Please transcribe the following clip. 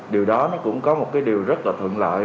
điều đó cũng có một điều rất là thượng lợi